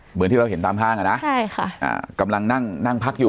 เหมือนที่เราเห็นตามห้างอ่ะนะใช่ค่ะอ่ากำลังนั่งนั่งพักอยู่